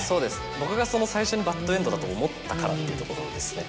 僕が最初にバッドエンドだと思ったからっていうところですね。